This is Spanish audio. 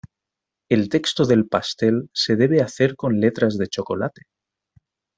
El texto del pastel se debe hacer con letras de chocolate.